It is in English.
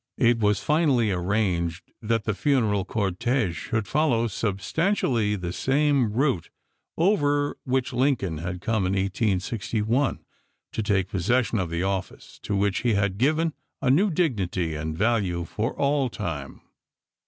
It was finally arranged that the funeral cortege should follow substantially the same route over which Lincoln had come in 1861 to take pos session of the office to which he had given a new dignity and value for all time.